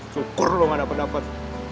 syukur lo gak dapet dapet